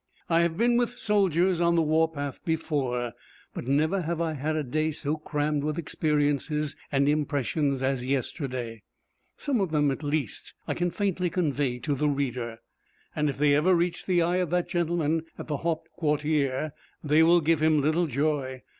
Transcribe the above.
I have been with soldiers on the warpath before, but never have I had a day so crammed with experiences and impressions as yesterday. Some of them at least I can faintly convey to the reader, and if they ever reach the eye of that gentleman at the Haupt Quartier they will give him little joy.